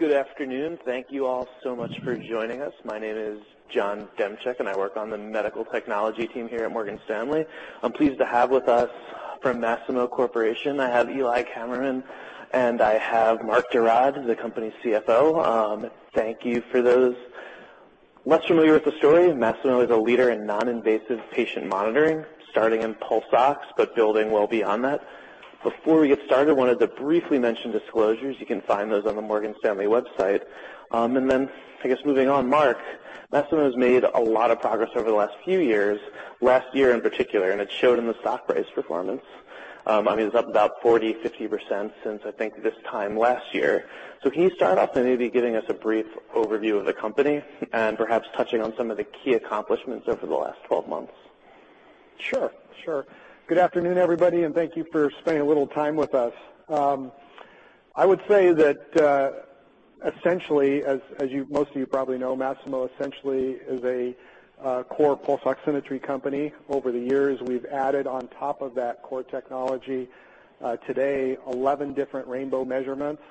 Good afternoon. Thank you all so much for joining us. My name is John Demchuk, and I work on the medical technology team here at Morgan Stanley. I'm pleased to have with us from Masimo Corporation. I have Eli Kammerman, and I have Mark de Raad, the company's CFO. Thank you. For those less familiar with the story, Masimo is a leader in non-invasive patient monitoring, starting in pulse ox, but building well beyond that. Before we get started, I wanted to briefly mention disclosures. You can find those on the Morgan Stanley website. And then, I guess moving on, Mark, Masimo has made a lot of progress over the last few years, last year in particular, and it showed in the stock price performance. I mean, it's up about 40%-50% since, I think, this time last year. Can you start off by maybe giving us a brief overview of the company and perhaps touching on some of the key accomplishments over the last 12 months? Sure. Sure. Good afternoon, everybody, and thank you for spending a little time with us. I would say that, essentially, as most of you probably know, Masimo essentially is a core pulse oximetry company. Over the years, we've added, on top of that core technology, today, 11 different Rainbow measurements.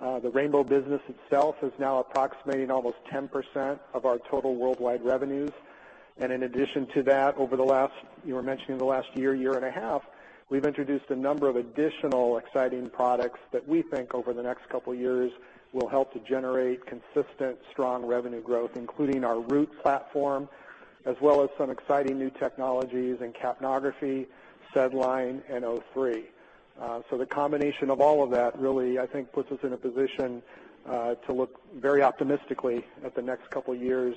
The Rainbow business itself is now approximating almost 10% of our total worldwide revenues, and in addition to that, over the last, you were mentioning the last year, year and a half, we've introduced a number of additional exciting products that we think, over the next couple of years, will help to generate consistent, strong revenue growth, including our Root platform, as well as some exciting new technologies in capnography, SedLine, and O3. So the combination of all of that really, I think, puts us in a position to look very optimistically at the next couple of years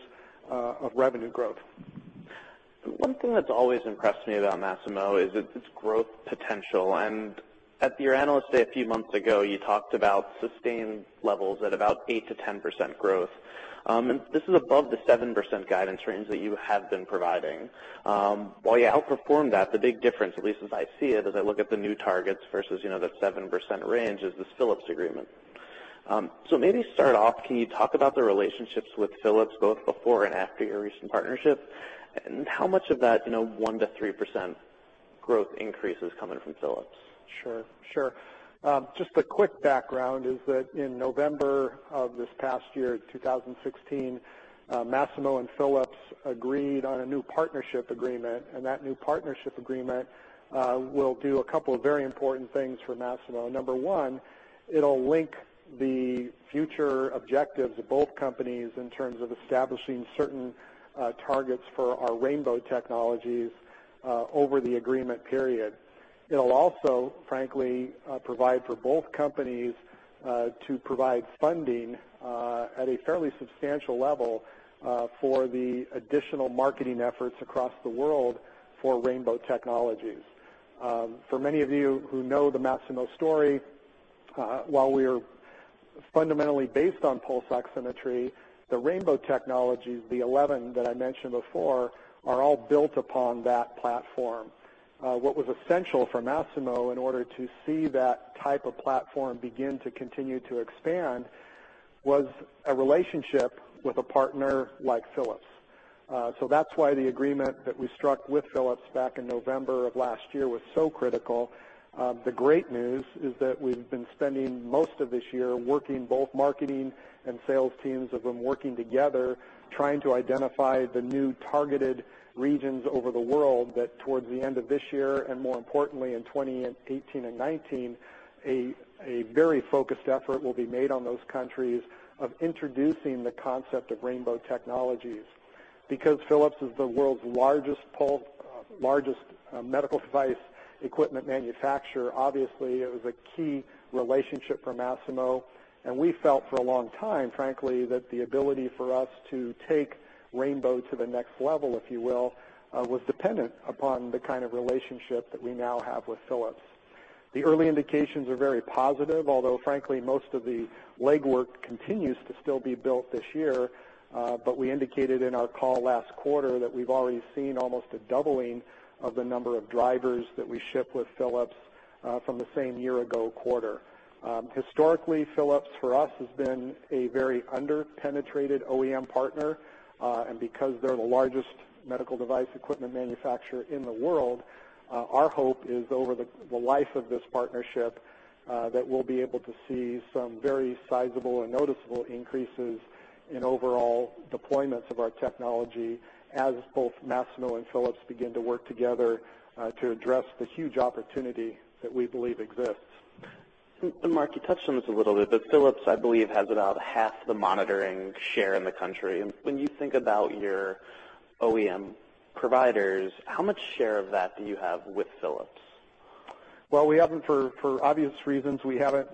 of revenue growth. One thing that's always impressed me about Masimo is its growth potential. And at your analyst day a few months ago, you talked about sustained levels at about 8%-10% growth. And this is above the 7% guidance range that you have been providing. While you outperform that, the big difference, at least as I see it, as I look at the new targets versus that 7% range, is this Philips agreement. So maybe to start off, can you talk about the relationships with Philips, both before and after your recent partnership, and how much of that 1%-3% growth increase is coming from Philips? Sure. Sure. Just a quick background is that in November of this past year, 2016, Masimo and Philips agreed on a new partnership agreement. And that new partnership agreement will do a couple of very important things for Masimo. Number one, it'll link the future objectives of both companies in terms of establishing certain targets for our rainbow technologies over the agreement period. It'll also, frankly, provide for both companies to provide funding at a fairly substantial level for the additional marketing efforts across the world for rainbow technologies. For many of you who know the Masimo story, while we are fundamentally based on pulse oximetry, the rainbow technologies, the 11 that I mentioned before, are all built upon that platform. What was essential for Masimo in order to see that type of platform begin to continue to expand was a relationship with a partner like Philips. So that's why the agreement that we struck with Philips back in November of last year was so critical. The great news is that we've been spending most of this year working both marketing and sales teams of them working together, trying to identify the new targeted regions over the world that, towards the end of this year and, more importantly, in 2018 and 2019, a very focused effort will be made on those countries of introducing the concept of rainbow technologies. Because Philips is the world's largest medical device equipment manufacturer, obviously, it was a key relationship for Masimo. And we felt, for a long time, frankly, that the ability for us to take rainbow to the next level, if you will, was dependent upon the kind of relationship that we now have with Philips. The early indications are very positive, although, frankly, most of the legwork continues to still be built this year. But we indicated in our call last quarter that we've already seen almost a doubling of the number of drivers that we ship with Philips from the same year-ago quarter. Historically, Philips, for us, has been a very under-penetrated OEM partner. And because they're the largest medical device equipment manufacturer in the world, our hope is, over the life of this partnership, that we'll be able to see some very sizable and noticeable increases in overall deployments of our technology as both Masimo and Philips begin to work together to address the huge opportunity that we believe exists. Mark, you touched on this a little bit, but Philips, I believe, has about half the monitoring share in the country. When you think about your OEM providers, how much share of that do you have with Philips? We haven't, for obvious reasons. We haven't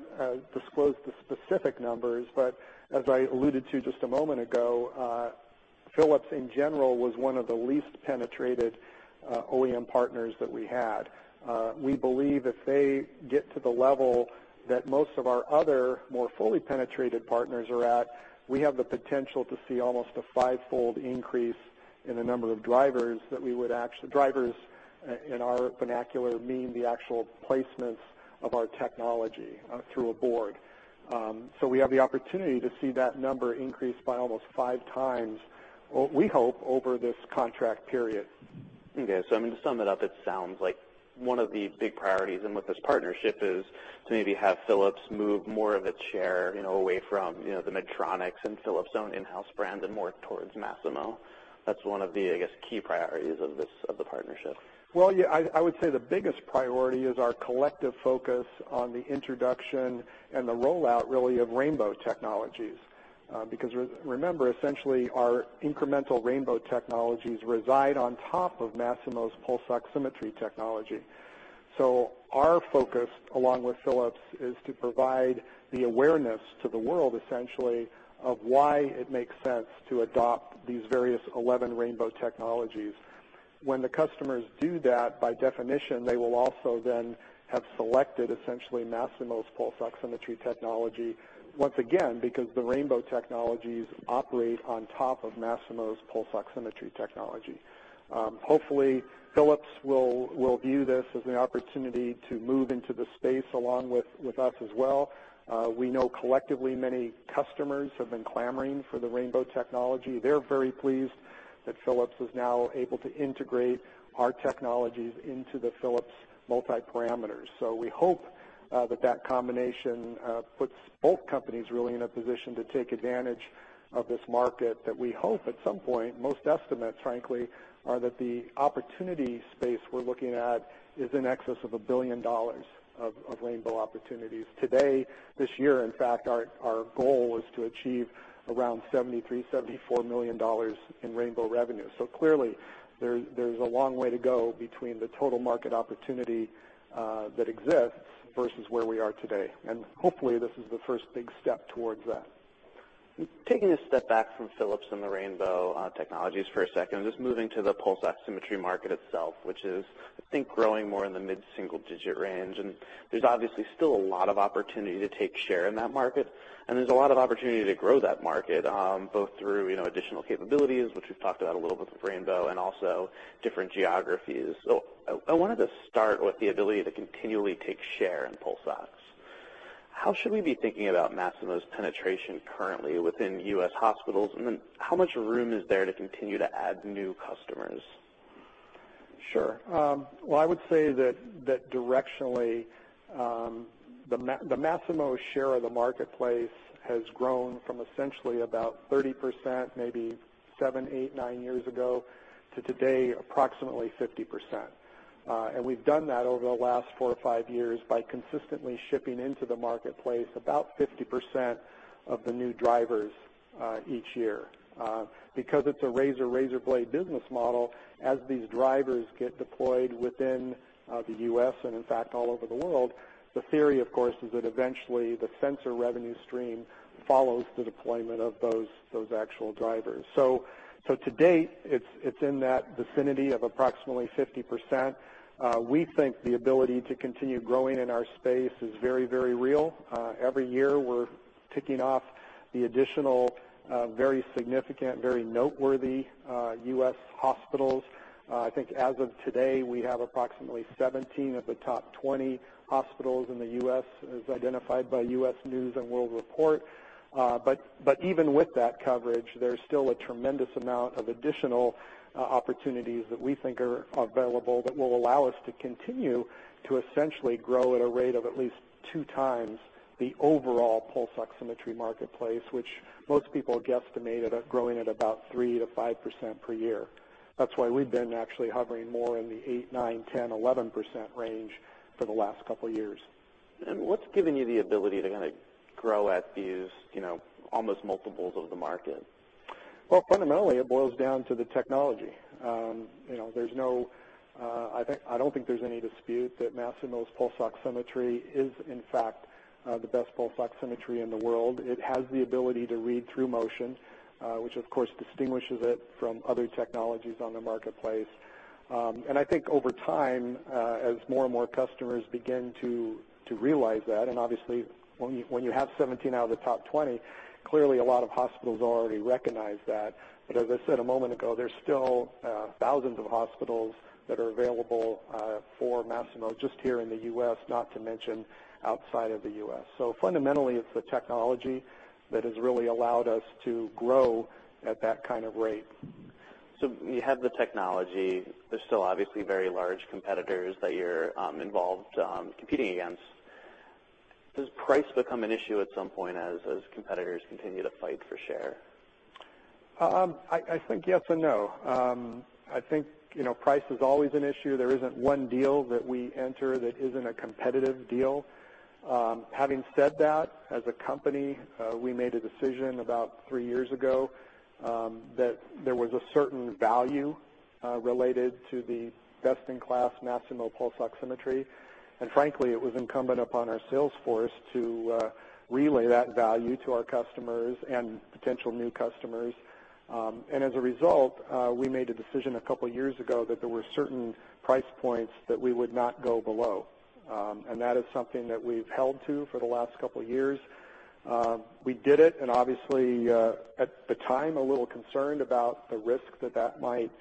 disclosed the specific numbers. As I alluded to just a moment ago, Philips, in general, was one of the least penetrated OEM partners that we had. We believe if they get to the level that most of our other more fully penetrated partners are at, we have the potential to see almost a fivefold increase in the number of drivers that we would actually, in our vernacular, mean the actual placements of our technology through a board. We have the opportunity to see that number increase by almost five times, we hope, over this contract period. Okay, so I mean, to sum it up, it sounds like one of the big priorities in with this partnership is to maybe have Philips move more of its share away from the Medtronic and Philips' own in-house brand and more towards Masimo. That's one of the, I guess, key priorities of the partnership. Well, yeah, I would say the biggest priority is our collective focus on the introduction and the rollout, really, of rainbow technologies. Because, remember, essentially, our incremental rainbow technologies reside on top of Masimo's pulse oximetry technology. So our focus, along with Philips, is to provide the awareness to the world, essentially, of why it makes sense to adopt these various 11 rainbow technologies. When the customers do that, by definition, they will also then have selected, essentially, Masimo's pulse oximetry technology, once again, because the rainbow technologies operate on top of Masimo's pulse oximetry technology. Hopefully, Philips will view this as an opportunity to move into the space along with us as well. We know, collectively, many customers have been clamoring for the rainbow technology. They're very pleased that Philips is now able to integrate our technologies into the Philips multiparameters. So we hope that that combination puts both companies, really, in a position to take advantage of this market that we hope, at some point, most estimates, frankly, are that the opportunity space we're looking at is in excess of $1 billion of rainbow opportunities. Today, this year, in fact, our goal is to achieve around $73-$74 million in rainbow revenue. So clearly, there's a long way to go between the total market opportunity that exists versus where we are today, and hopefully, this is the first big step towards that. Taking a step back from Philips and the rainbow technologies for a second, just moving to the pulse oximetry market itself, which is, I think, growing more in the mid-single-digit range. And there's obviously still a lot of opportunity to take share in that market. And there's a lot of opportunity to grow that market, both through additional capabilities, which we've talked about a little bit with rainbow, and also different geographies. I wanted to start with the ability to continually take share in pulse ox. How should we be thinking about Masimo's penetration currently within U.S. hospitals? And then how much room is there to continue to add new customers? Sure. Well, I would say that, directionally, the Masimo share of the marketplace has grown from essentially about 30%, maybe seven, eight, nine years ago, to today, approximately 50%. And we've done that over the last four or five years by consistently shipping into the marketplace about 50% of the new drivers each year. Because it's a razor-razor blade business model, as these drivers get deployed within the U.S. and, in fact, all over the world, the theory, of course, is that, eventually, the sensor revenue stream follows the deployment of those actual drivers. So to date, it's in that vicinity of approximately 50%. We think the ability to continue growing in our space is very, very real. Every year, we're ticking off the additional very significant, very noteworthy U.S. hospitals. I think, as of today, we have approximately 17 of the top 20 hospitals in the U.S., as identified by U.S. News & World Report. But even with that coverage, there's still a tremendous amount of additional opportunities that we think are available that will allow us to continue to essentially grow at a rate of at least two times the overall pulse oximetry marketplace, which most people guesstimated at growing at about 3%-5% per year. That's why we've been actually hovering more in the 8%, 9%, 10%, 11% range for the last couple of years. And what's given you the ability to kind of grow at these almost multiples of the market? Fundamentally, it boils down to the technology. I don't think there's any dispute that Masimo's pulse oximetry is, in fact, the best pulse oximetry in the world. It has the ability to read through motion, which, of course, distinguishes it from other technologies on the marketplace. I think, over time, as more and more customers begin to realize that, and obviously, when you have 17 out of the top 20, clearly, a lot of hospitals already recognize that. As I said a moment ago, there's still thousands of hospitals that are available for Masimo just here in the U.S., not to mention outside of the U.S. Fundamentally, it's the technology that has really allowed us to grow at that kind of rate. So you have the technology. There's still, obviously, very large competitors that you're involved competing against. Does price become an issue at some point as competitors continue to fight for share? I think yes and no. I think price is always an issue. There isn't one deal that we enter that isn't a competitive deal. Having said that, as a company, we made a decision about three years ago that there was a certain value related to the best-in-class Masimo pulse oximetry. And frankly, it was incumbent upon our salesforce to relay that value to our customers and potential new customers. And as a result, we made a decision a couple of years ago that there were certain price points that we would not go below. And that is something that we've held to for the last couple of years. We did it. And obviously, at the time, a little concerned about the risk that that might present.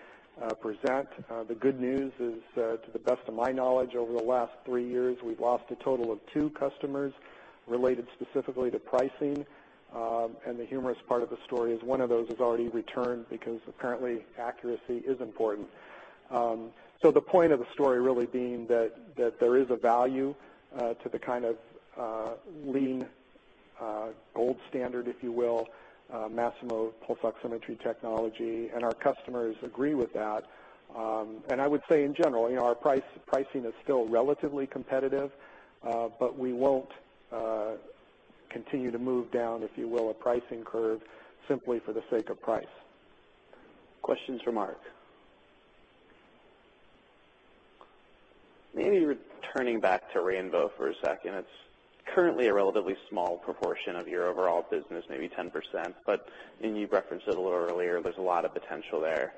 The good news is, to the best of my knowledge, over the last three years, we've lost a total of two customers related specifically to pricing, and the humorous part of the story is one of those has already returned because, apparently, accuracy is important, so the point of the story really being that there is a value to the kind of lean gold standard, if you will, Masimo pulse oximetry technology, and our customers agree with that, and I would say, in general, our pricing is still relatively competitive, but we won't continue to move down, if you will, a pricing curve simply for the sake of price. Questions for Mark? Maybe turning back to Rainbow for a second. It's currently a relatively small proportion of your overall business, maybe 10%. But you referenced it a little earlier. There's a lot of potential there.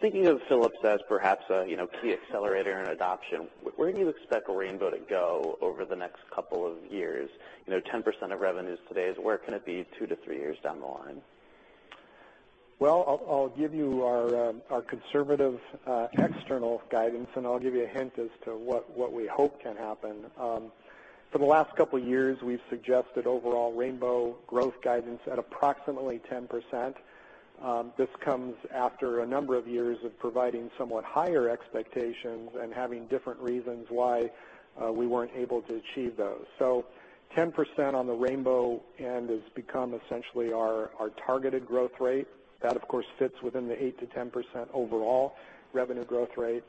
Thinking of Philips as perhaps a key accelerator in adoption, where do you expect Rainbow to go over the next couple of years? 10% of revenues today is where can it be two to three years down the line? I'll give you our conservative external guidance. I'll give you a hint as to what we hope can happen. For the last couple of years, we've suggested overall Rainbow growth guidance at approximately 10%. This comes after a number of years of providing somewhat higher expectations and having different reasons why we weren't able to achieve those. 10% on the Rainbow end has become, essentially, our targeted growth rate. That, of course, fits within the 8%-10% overall revenue growth rate.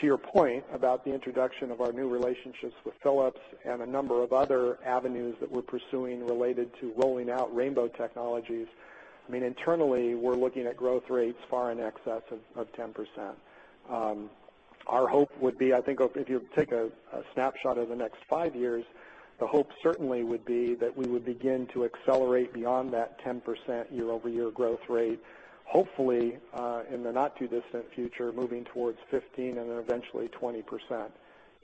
To your point about the introduction of our new relationships with Philips and a number of other avenues that we're pursuing related to rolling out Rainbow technologies, I mean, internally, we're looking at growth rates far in excess of 10%. Our hope would be, I think, if you take a snapshot of the next five years, the hope certainly would be that we would begin to accelerate beyond that 10% year-over-year growth rate, hopefully, in the not-too-distant future, moving towards 15% and then eventually 20%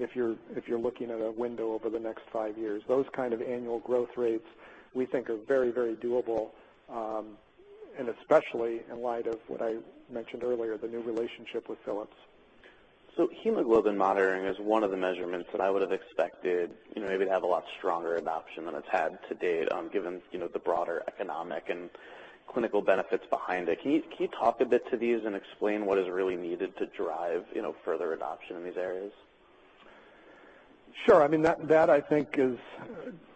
if you're looking at a window over the next five years. Those kind of annual growth rates, we think, are very, very doable, and especially in light of what I mentioned earlier, the new relationship with Philips. Hemoglobin monitoring is one of the measurements that I would have expected maybe to have a lot stronger adoption than it's had to date, given the broader economic and clinical benefits behind it. Can you talk a bit to these and explain what is really needed to drive further adoption in these areas? Sure. I mean, that, I think, is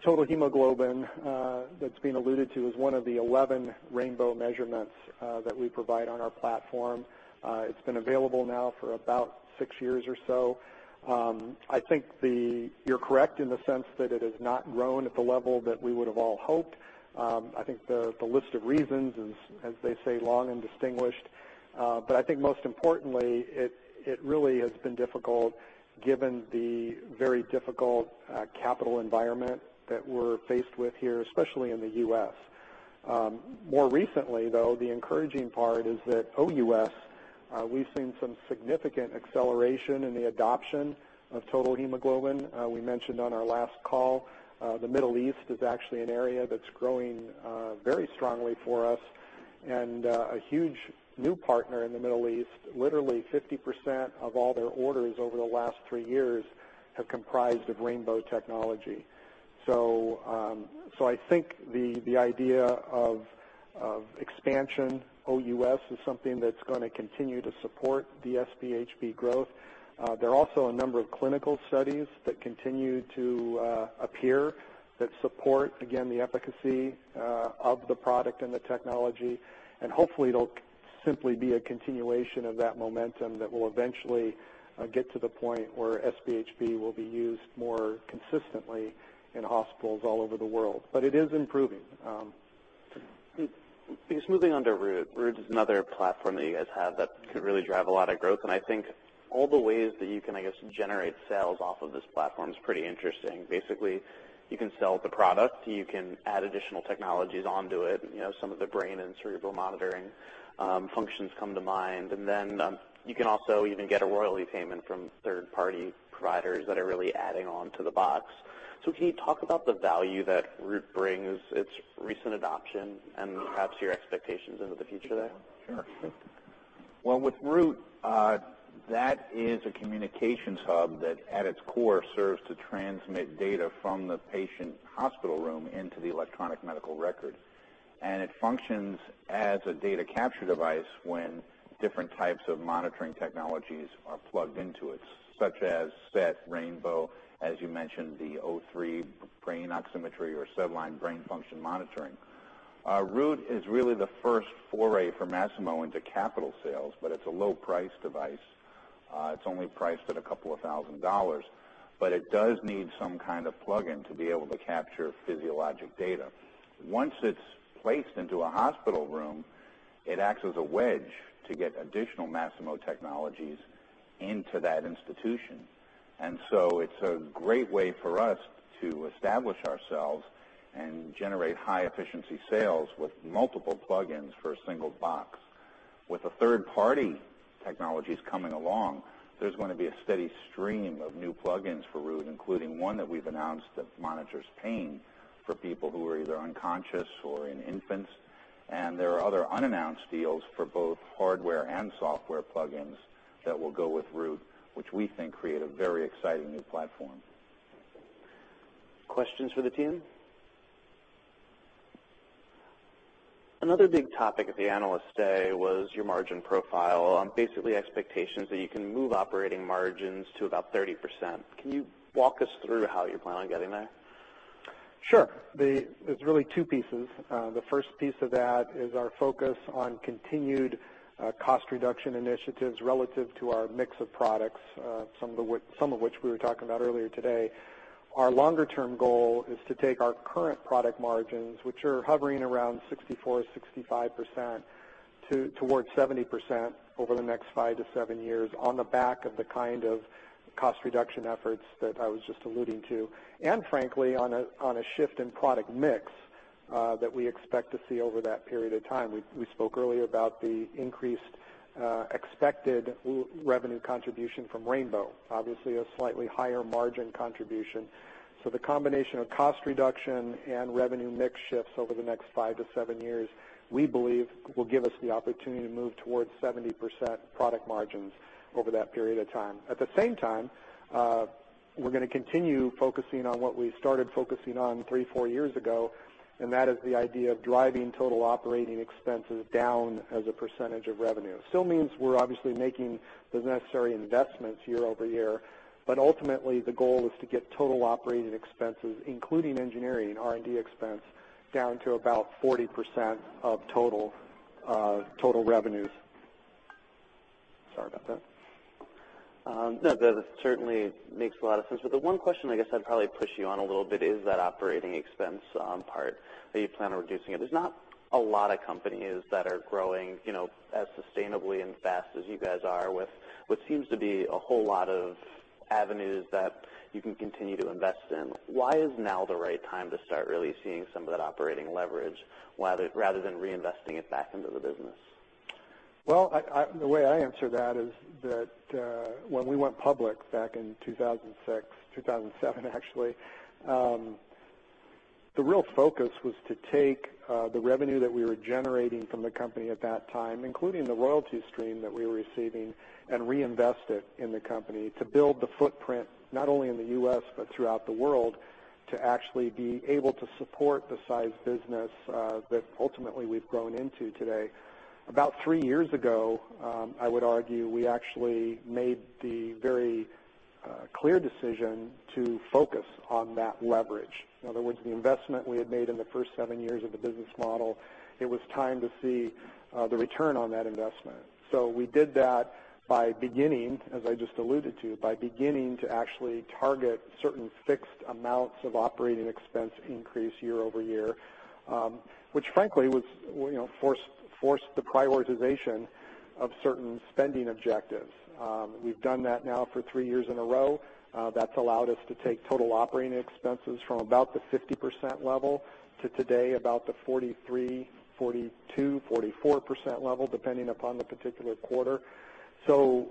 total hemoglobin that's been alluded to as one of the 11 Rainbow measurements that we provide on our platform. It's been available now for about six years or so. I think you're correct in the sense that it has not grown at the level that we would have all hoped. I think the list of reasons is, as they say, long and distinguished. But I think, most importantly, it really has been difficult given the very difficult capital environment that we're faced with here, especially in the U.S. More recently, though, the encouraging part is that in the U.S., we've seen some significant acceleration in the adoption of total hemoglobin. We mentioned on our last call, the Middle East is actually an area that's growing very strongly for us. A huge new partner in the Middle East, literally 50% of all their orders over the last three years have comprised of Rainbow technology. I think the idea of expansion, oh, U.S., is something that's going to continue to support the SpHb growth. There are also a number of clinical studies that continue to appear that support, again, the efficacy of the product and the technology. Hopefully, it'll simply be a continuation of that momentum that will eventually get to the point where SBHB will be used more consistently in hospitals all over the world. It is improving. Just moving on to Root. Root is another platform that you guys have that could really drive a lot of growth. And I think all the ways that you can, I guess, generate sales off of this platform is pretty interesting. Basically, you can sell the product. You can add additional technologies onto it. Some of the brain and cerebral monitoring functions come to mind. And then you can also even get a royalty payment from third-party providers that are really adding on to the box. So can you talk about the value that Root brings, its recent adoption, and perhaps your expectations into the future there? Sure. Well, with Root, that is a communications hub that, at its core, serves to transmit data from the patient hospital room into the electronic medical record, and it functions as a data capture device when different types of monitoring technologies are plugged into it, such as SET, Rainbow, as you mentioned, the O3 brain oximetry, or SedLine brain function monitoring. Root is really the first foray for Masimo into capital sales, but it's a low-priced device. It's only priced at $2,000. But it does need some kind of plug-in to be able to capture physiologic data. Once it's placed into a hospital room, it acts as a wedge to get additional Masimo technologies into that institution, and so it's a great way for us to establish ourselves and generate high-efficiency sales with multiple plug-ins for a single box. With the third-party technologies coming along, there's going to be a steady stream of new plug-ins for Root, including one that we've announced that monitors pain for people who are either unconscious or in infants, and there are other unannounced deals for both hardware and software plug-ins that will go with Root, which we think create a very exciting new platform. Questions for the team? Another big topic at the analysts' day was your margin profile, basically expectations that you can move operating margins to about 30%. Can you walk us through how you're planning on getting there? Sure. There's really two pieces. The first piece of that is our focus on continued cost reduction initiatives relative to our mix of products, some of which we were talking about earlier today. Our longer-term goal is to take our current product margins, which are hovering around 64%-65%, towards 70% over the next five to seven years on the back of the kind of cost reduction efforts that I was just alluding to, and frankly, on a shift in product mix that we expect to see over that period of time. We spoke earlier about the increased expected revenue contribution from Rainbow, obviously a slightly higher margin contribution. So the combination of cost reduction and revenue mix shifts over the next five to seven years, we believe, will give us the opportunity to move towards 70% product margins over that period of time. At the same time, we're going to continue focusing on what we started focusing on three, four years ago, and that is the idea of driving total operating expenses down as a percentage of revenue. Still means we're obviously making the necessary investments year over year, but ultimately, the goal is to get total operating expenses, including engineering, R&D expense, down to about 40% of total revenues. Sorry about that. No, that certainly makes a lot of sense. But the one question I guess I'd probably push you on a little bit is that operating expense part, that you plan on reducing it. There's not a lot of companies that are growing as sustainably and fast as you guys are with what seems to be a whole lot of avenues that you can continue to invest in. Why is now the right time to start really seeing some of that operating leverage rather than reinvesting it back into the business? The way I answer that is that when we went public back in 2006, 2007, actually, the real focus was to take the revenue that we were generating from the company at that time, including the royalty stream that we were receiving, and reinvest it in the company to build the footprint not only in the U.S. but throughout the world to actually be able to support the size business that ultimately we've grown into today. About three years ago, I would argue, we actually made the very clear decision to focus on that leverage. In other words, the investment we had made in the first seven years of the business model. It was time to see the return on that investment. So we did that by beginning, as I just alluded to, by beginning to actually target certain fixed amounts of operating expense increase year over year, which frankly forced the prioritization of certain spending objectives. We've done that now for three years in a row. That's allowed us to take total operating expenses from about the 50% level to today about the 43, 42, 44% level, depending upon the particular quarter. So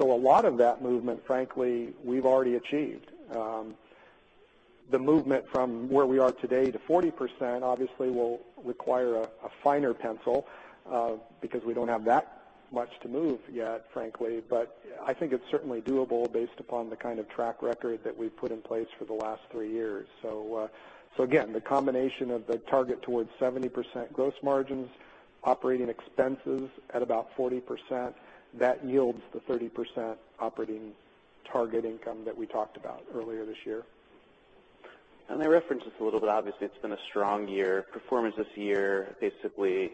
a lot of that movement, frankly, we've already achieved. The movement from where we are today to 40% obviously will require a finer pencil because we don't have that much to move yet, frankly. But I think it's certainly doable based upon the kind of track record that we've put in place for the last three years. Again, the combination of the target toward 70% gross margins, operating expenses at about 40%, that yields the 30% operating target income that we talked about earlier this year. And I referenced this a little bit. Obviously, it's been a strong year. Performance this year, basically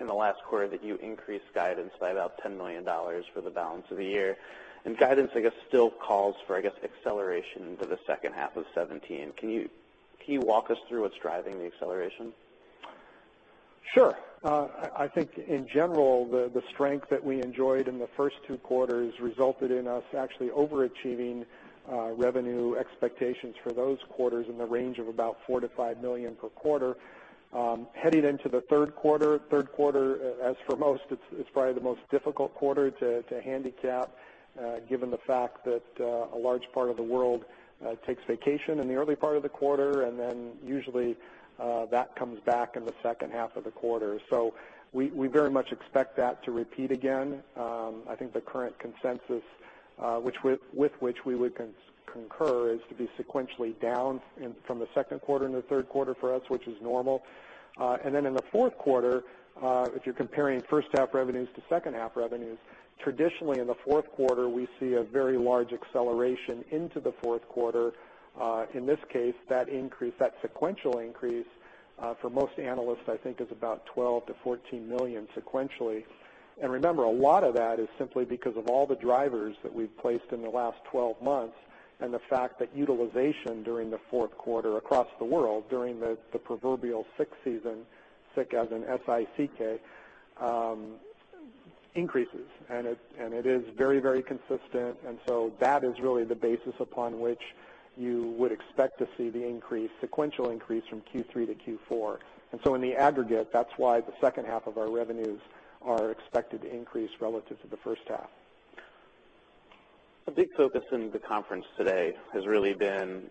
in the last quarter, that you increased guidance by about $10 million for the balance of the year. And guidance, I guess, still calls for, I guess, acceleration into the second half of 2017. Can you walk us through what's driving the acceleration? Sure. I think, in general, the strength that we enjoyed in the first two quarters resulted in us actually overachieving revenue expectations for those quarters in the range of about $4 million-$5 million per quarter. Heading into the third quarter, third quarter, as for most, it's probably the most difficult quarter to handicap, given the fact that a large part of the world takes vacation in the early part of the quarter. And then usually that comes back in the second half of the quarter. So we very much expect that to repeat again. I think the current consensus, with which we would concur, is to be sequentially down from the second quarter into the third quarter for us, which is normal. Then in the fourth quarter, if you're comparing first half revenues to second half revenues, traditionally in the fourth quarter, we see a very large acceleration into the fourth quarter. In this case, that increase, that sequential increase for most analysts, I think, is about $12-$14 million sequentially. Remember, a lot of that is simply because of all the drivers that we've placed in the last 12 months and the fact that utilization during the fourth quarter across the world during the proverbial sick season, sick as in SICK, increases. It is very, very consistent. That is really the basis upon which you would expect to see the increase, sequential increase from Q3 to Q4. In the aggregate, that's why the second half of our revenues are expected to increase relative to the first half. A big focus in the conference today has really been,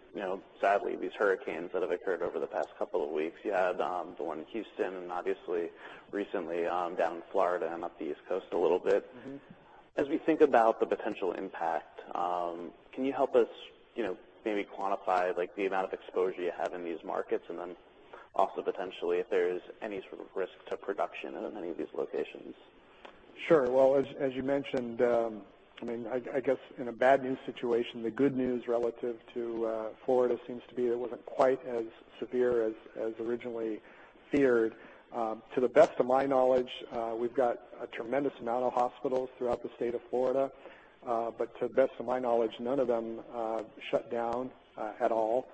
sadly, these hurricanes that have occurred over the past couple of weeks. You had the one in Houston and obviously recently down in Florida and up the East Coast a little bit. As we think about the potential impact, can you help us maybe quantify the amount of exposure you have in these markets and then also potentially if there is any sort of risk to production in any of these locations? Sure. Well, as you mentioned, I mean, I guess in a bad news situation, the good news relative to Florida seems to be it wasn't quite as severe as originally feared. To the best of my knowledge, we've got a tremendous amount of hospitals throughout the state of Florida. But to the best of my knowledge, none of them shut down at all.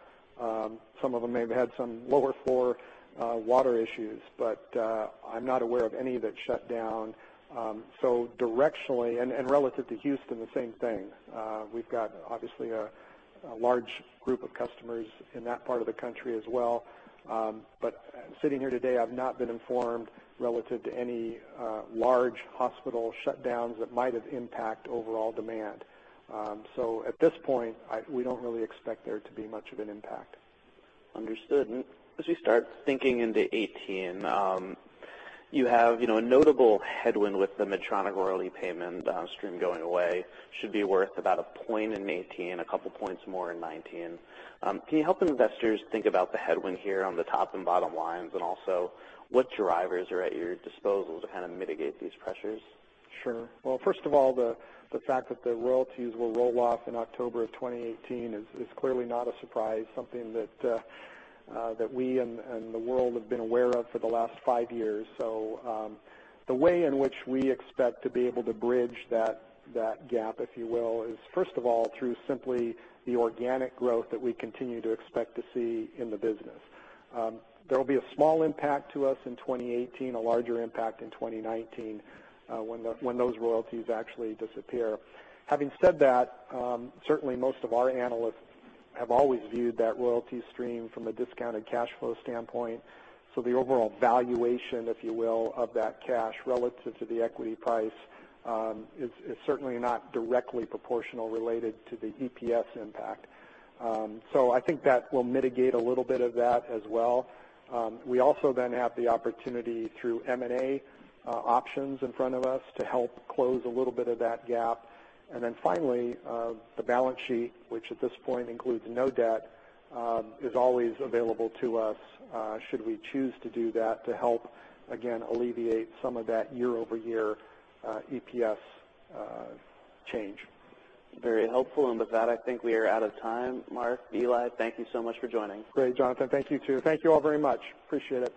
Some of them may have had some lower floor water issues. But I'm not aware of any that shut down. So directionally and relative to Houston, the same thing. We've got obviously a large group of customers in that part of the country as well. But sitting here today, I've not been informed relative to any large hospital shutdowns that might have impact overall demand. So at this point, we don't really expect there to be much of an impact. Understood. And as we start thinking into 2018, you have a notable headwind with the Medtronic royalty payment stream going away. It should be worth about a point in 2018, a couple points more in 2019. Can you help investors think about the headwind here on the top and bottom lines and also what drivers are at your disposal to kind of mitigate these pressures? Sure, well, first of all, the fact that the royalties will roll off in October of 2018 is clearly not a surprise, something that we and the world have been aware of for the last five years. So the way in which we expect to be able to bridge that gap, if you will, is first of all through simply the organic growth that we continue to expect to see in the business. There will be a small impact to us in 2018, a larger impact in 2019 when those royalties actually disappear. Having said that, certainly most of our analysts have always viewed that royalty stream from a discounted cash flow standpoint. So the overall valuation, if you will, of that cash relative to the equity price is certainly not directly proportional related to the EPS impact. So I think that will mitigate a little bit of that as well. We also then have the opportunity through M&A options in front of us to help close a little bit of that gap. And then finally, the balance sheet, which at this point includes no debt, is always available to us should we choose to do that to help, again, alleviate some of that year-over-year EPS change. Very helpful. And with that, I think we are out of time. Mark, Eli, thank you so much for joining. Great, Jonathan. Thank you too. Thank you all very much. Appreciate it.